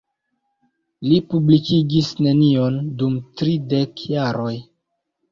Li publikigis nenion dum tridek jaroj.